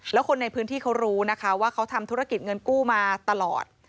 แล้วคนในพื้นที่เขารู้นะคะว่าเขาทำธุรกิจเงินกู้มาตลอด